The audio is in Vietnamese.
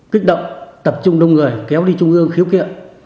kích động tập trung đông người kéo đi trung ương khiếu kiện